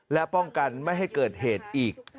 และป้องกันไม่ให้เกิดเหตุอีก